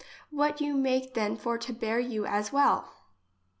What you make then for to bear you as well